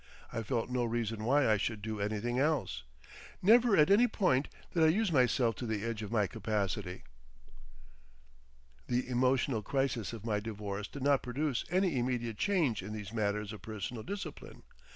I felt no reason why I should do anything else. Never at any point did I use myself to the edge of my capacity. The emotional crisis of my divorce did not produce any immediate change in these matters of personal discipline.